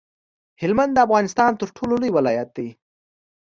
هلمند د افغانستان تر ټولو لوی ولایت دی